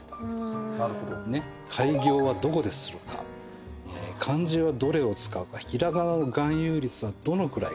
改行はどこでするか漢字はどれを使うか平仮名の含有率はどのくらいか。